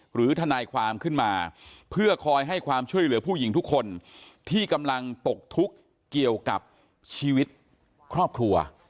หรือทนายความขึ้นมาเพื่อคอยให้ความช่วยเหลือผู้หญิงทุกคนที่กำลังตกทุกข์เกี่ยวกับชีวิตครอบครัว